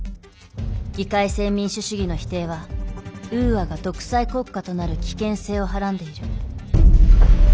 議会制民主主義の否定はウーアが独裁国家となる危険性をはらんでいる。